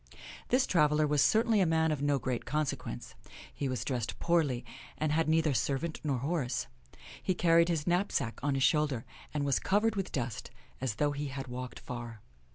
This traveler was certainly a man of no great consequence. He was dressed poorly, and had neither servant nor horse. He carried his knapsack on his shoulder, and was covered with dust, as though he had walked far.